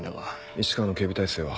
市川の警備体制は？